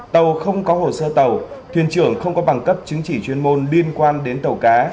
tàu không có hồ sơ tàu thuyền trưởng không có bằng cấp chứng chỉ chuyên môn liên quan đến tàu cá